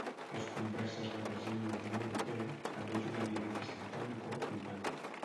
Les converses d'adhesió amb la Unió Europea també ajudarien a facilitar un acord global.